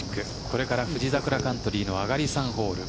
これから富士桜カントリーの上がり３ホール。